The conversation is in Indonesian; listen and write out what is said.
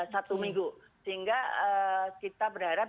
satu minggu sehingga kita berharap